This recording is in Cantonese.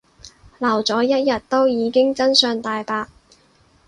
留咗一日都已經真相大白